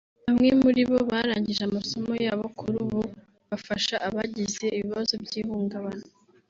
Bamwe muri bo barangije amasomo yabo kuri ubu bafasha abagize ibibazo by'ihungabana